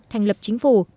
thành lập chính phủ